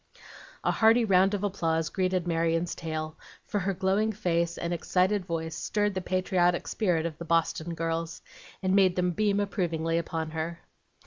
A hearty round of applause greeted Marion's tale, for her glowing face and excited voice stirred the patriotic spirit of the Boston girls, and made them beam approvingly upon her.